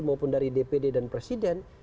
maupun dari dpd dan presiden